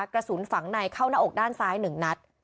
กระสุนฝังในเข้าหน้าอกด้านซ้าย๑นัด